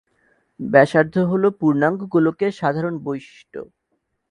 ব্যাসার্ধ হল পূর্ণাঙ্গ গোলকের সাধারণ বৈশিষ্ট।